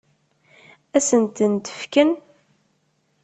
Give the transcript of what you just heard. Ad sen-tent-fken?